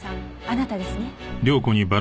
あなたですね。